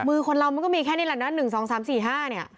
คือคนเรามันก็มีแค่ในหลังด้านหนึ่งสองสามสี่ห้าเนี่ย